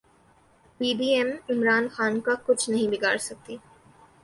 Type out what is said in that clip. پی D M Imran Khan کا کچھ نہیں بگاڑسکتی